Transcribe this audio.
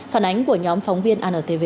phản ánh của nhóm phóng viên antv